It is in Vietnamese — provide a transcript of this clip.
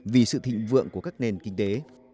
vì sự thịnh vượng của các nền kinh tế